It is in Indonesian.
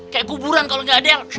kayak kuburan kalau nggak ada yang